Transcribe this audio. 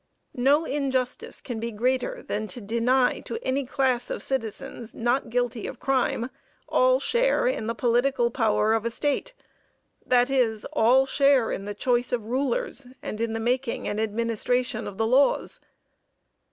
No injustice can be greater than to deny to any class of citizens not guilty of crime, all share in the political power of a state, that is, all share in the choice of rulers, and in the making and administration of the laws.